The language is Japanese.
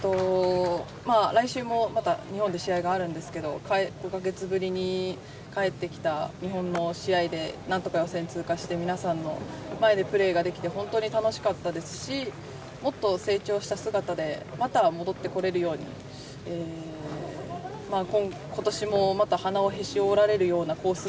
来週もまた日本で試合があるんですけど５か月ぶりに帰ってきた日本の試合でなんとか予選通過して皆さんの前でプレーできて本当に楽しかったですしもっと成長した姿でまた戻ってこられるように今年もまた鼻をへし折られるようなコース